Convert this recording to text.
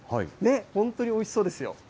本当においしそうですよ。